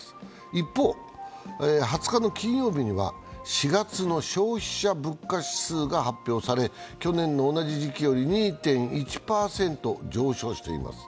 一方、２０日の金曜日には４月の消費者物価指数が発表され去年の同じ時期より２．１％上昇しています。